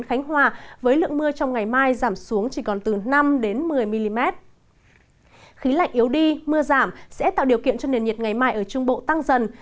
khí lạnh yếu đi mưa giảm sẽ tạo điều kiện cho nền nhiệt ngày mai ở trung bộ tăng dần